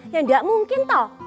yang gak mungkin toh